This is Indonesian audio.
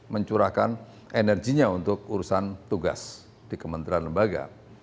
mencurahkan energinya untuk urusan tugas di kementerian lembaga